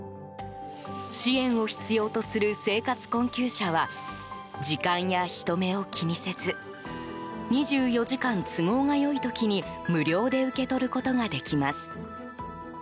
支援を必要とする生活困窮者は時間や人目を気にせず２４時間、都合が良い時に無料で受け取ることができます。